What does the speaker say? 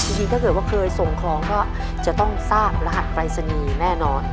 จริงถ้าเกิดว่าเคยส่งของก็จะต้องทราบรหัสปรายศนีย์แน่นอน